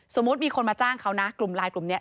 สมมุติมีคนมาจ้างเขานะกลุ่มลายกลุ่มเนี่ย